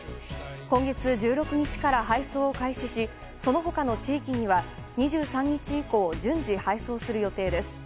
今月１６日から配送を開始しその他の地域には、２３日以降順次配送する予定です。